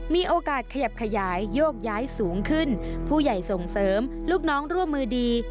มีโอกาสขยับขยายโยกย้ายสูงขึ้นผู้ใหญ่ส่งเสริมลูกน้องร่วมมือดี